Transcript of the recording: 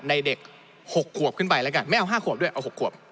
เด็ก๖ขวบขึ้นไปแล้วกันไม่เอา๕ขวบด้วยเอา๖ขวบ